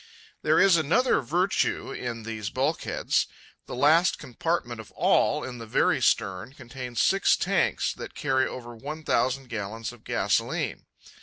There is another virtue in these bulkheads. The last compartment of all, in the very stern, contains six tanks that carry over one thousand gallons of gasolene.